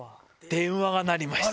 電話が鳴りました。